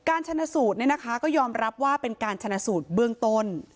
ชนะสูตรก็ยอมรับว่าเป็นการชนะสูตรเบื้องต้น